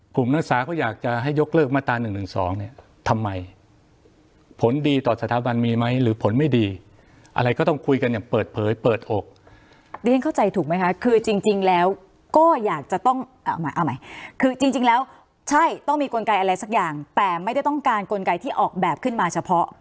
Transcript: กลุ่มนักศาสตร์เขาอยากจะให้ยกเลิกมาตารส